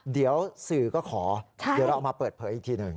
เดี๋ยวสื่อก็ขอเดี๋ยวเราเอามาเปิดเผยอีกทีหนึ่ง